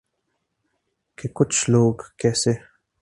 کہ ’کچھ لوگ کیسے